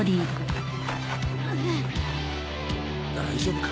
大丈夫か。